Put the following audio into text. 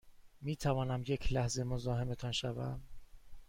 می توانم یک لحظه مزاحمتان شوم؟